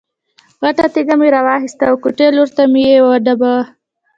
غټه تیږه مې را واخیسته او کوټې لور ته مې یې وډباړه.